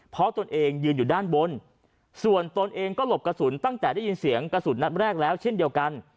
เพราะตนเองยืนอยู่ด้านบนส่วนตนเองก็หลบกระสุนตั้งแต่ได้ยินเสียงกระสุนนัดแรกแล้วเช่นเดียวกัน